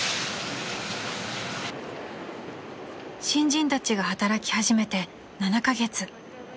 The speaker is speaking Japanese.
［新人たちが働き始めて７カ月］